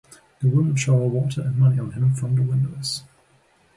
The women shower water and money on him from the windows.